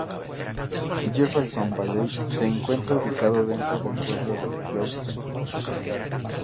Jefferson Valley se encuentra ubicado dentro del pueblo de Yorktown.